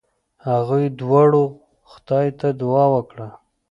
هغوی دواړو خدای ته دعا وکړه.